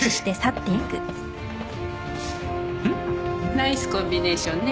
ナイスコンビネーションね